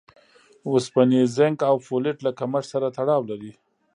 اوسپنې، زېنک او فولېټ له کمښت سره تړاو لري.